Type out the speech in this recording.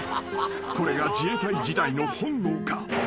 これが自衛隊時代の本能か］